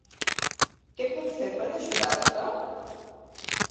Què puc fer per ajudar-te?